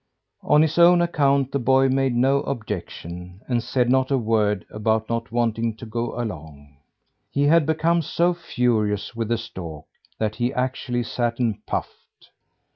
On his own account, the boy made no objection, and said not a word about not wanting to go along. He had become so furious with the stork, that he actually sat and puffed.